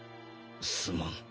すまん。